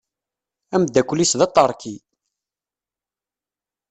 Amdakel-is d aṭerki.